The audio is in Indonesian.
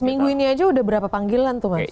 minggu ini aja udah berapa panggilan tuh mas